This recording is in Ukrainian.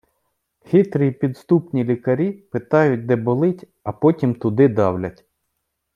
Хитрі і підступні лікарі питають де болить, а потім туди давлять